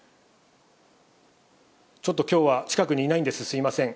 ちょっときょうは近くにいないんです、すみません。